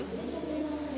naik bus ya